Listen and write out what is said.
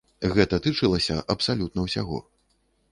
Гэта тычылася абсалютна ўсяго.